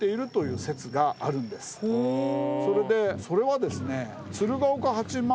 それでそれはですね。